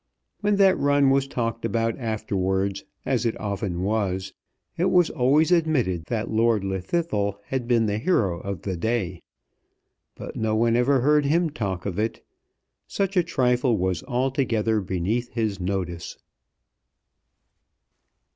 When that run was talked about afterwards, as it often was, it was always admitted that Lord Llwddythlw had been the hero of the day. But no one ever heard him talk of it. Such a trifle was altogether beneath his notice.